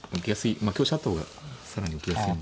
香車あった方が更に受けやすいので。